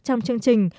trong chương trình